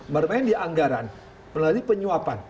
bermain di anggaran melalui penyuapan